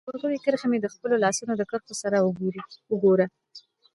د ورغوي کرښي مي د خپلو لاسونو د کرښو سره وګوره